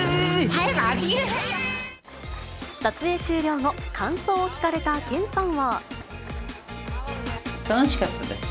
撮影終了後、感想を聞かれた楽しかったです。